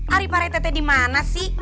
ari pak rtt dimana sih